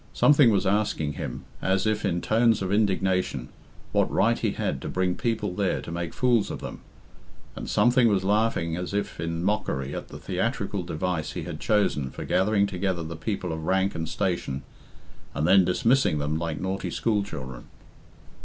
Something was asking him, as if in tones of indignation, what right he had to bring people there to make fools of them. And something was laughing as if in mockery at the theatrical device he had chosen for gathering together the people of rank and station, and then dismissing them like naughty school children.